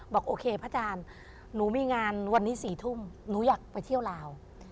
บอกโอเคพระอาจารย์หนูมีงานวันนี้๔ทุ่มหนูอยากไปเที่ยวลาว